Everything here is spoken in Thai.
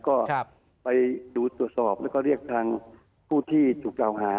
ก็ไปดูตรวจสอบแล้วก็เรียกทางผู้ที่ถูกกล่าวหา